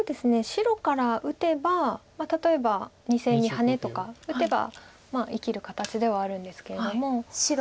白から打てば例えば２線にハネとか打てば生きる形ではあるんですけれども。